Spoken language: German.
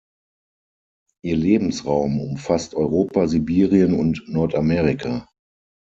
Ihr Lebensraum umfasst Europa, Sibirien und Nordamerika.